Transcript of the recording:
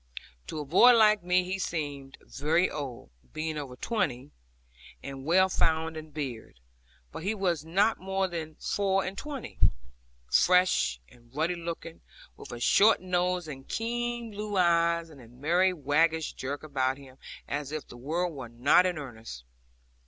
To a boy like me he seemed very old, being over twenty, and well found in beard; but he was not more than four and twenty, fresh and ruddy looking, with a short nose and keen blue eyes, and a merry waggish jerk about him, as if the world were not in earnest.